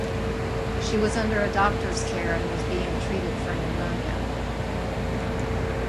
She was under a doctor's care and was being treated for pneumonia.